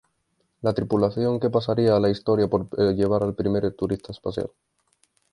La tripulación que pasaría a la Historia por llevar al primer turista espacial.